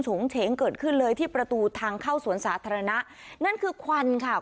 ฉงเฉงเกิดขึ้นเลยที่ประตูทางเข้าสวนสาธารณะนั่นคือควันค่ะ